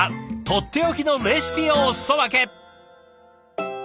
とっておきのレシピをおすそ分け。